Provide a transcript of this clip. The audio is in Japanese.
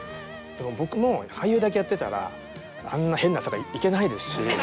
僕も俳優だけやってたらあんな変な坂行けないですし。